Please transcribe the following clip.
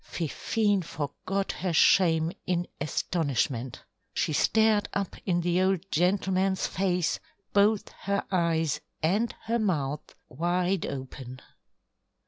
Fifine forgot her shame in astonishment. She stared up in the old gentleman's face, both her eyes and her mouth wide open.